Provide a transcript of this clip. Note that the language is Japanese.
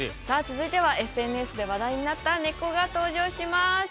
さあ続いてはＳＮＳで話題になったネコが登場します。